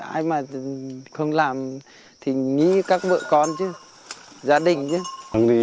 ai mà không làm thì nghĩ các vợ con chứ gia đình chứ